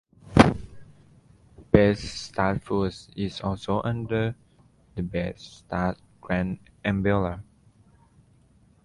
Best Start Foods is also under the Best Start Grant umbrella.